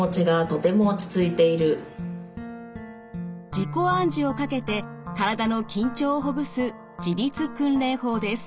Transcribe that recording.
自己暗示をかけて体の緊張をほぐす自律訓練法です。